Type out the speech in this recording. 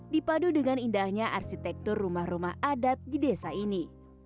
dipadu dengan indahnya arsitektur rumah rumah adat di desa ini